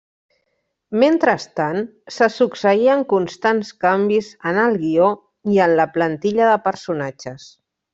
Mentrestant, se succeïen constants canvis en el guió i en la plantilla de personatges.